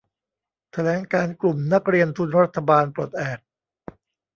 แถลงการณ์กลุ่มนักเรียนทุนรัฐบาลปลดแอก